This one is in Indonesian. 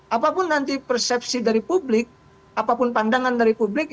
apapun nanti persepsi dari publik apapun pandangan dari publik